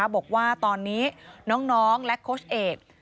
บอกว่าตอนนี้น้องและโค้ชเอก